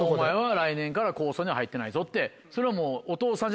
来年からは構想には入ってないぞってそれはもう。